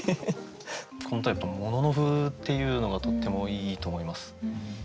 この歌やっぱ「もののふ」っていうのがとってもいいと思います。